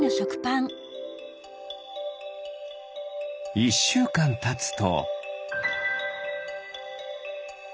１しゅうかんたつと。